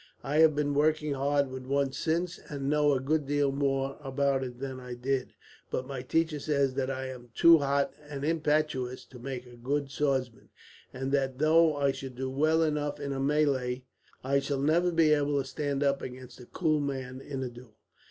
I have been working hard with one since, and know a good deal more about it than I did; but my teacher says that I am too hot and impetuous to make a good swordsman, and that though I should do well enough in a melee, I shall never be able to stand up against a cool man, in a duel.